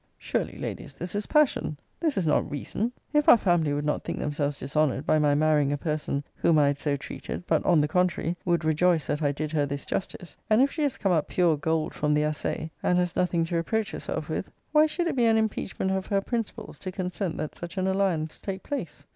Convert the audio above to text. Surely, Ladies, this is passion! This is not reason. If our family would not think themselves dishonoured by my marrying a person whom I had so treated; but, on the contrary, would rejoice that I did her this justice: and if she has come out pure gold from the assay; and has nothing to reproach herself with; why should it be an impeachment of her principles, to consent that such an alliance take place?